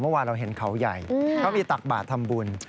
เมื่อวานเราเห็นเขาใหญ่เขามีตักบาททำบุญ